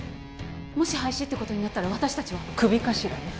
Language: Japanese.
もし廃止ってことになったら私達はクビかしらね